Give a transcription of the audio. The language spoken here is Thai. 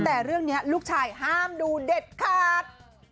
แต่เรื่องนี้ลูกชายห้ามดูเด็ดขาด